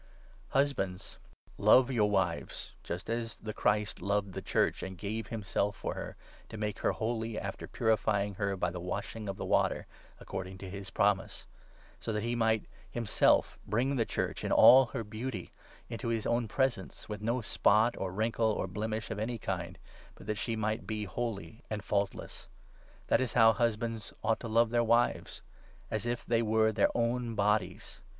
Husbands, love your 25 wives, just as the Christ loved the Church, and gave himself for her, to make her holy, after purifying her by the Washing 26 with the Water, according to his promise ; so that he might 27 himself bring the Church, in all her beauty, into his own presence, with no spot or wrinkle or blemish of any kind, but that she might be holy and faultless. That is how husbands 28 ought to love their wives — as if they were their own bodies.